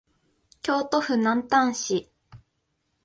京都府南丹市